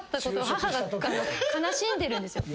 母が悲しんでるんですよ。